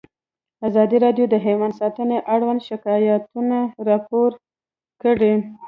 ازادي راډیو د حیوان ساتنه اړوند شکایتونه راپور کړي.